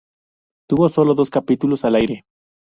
Tuvo solo dos capítulos al aire.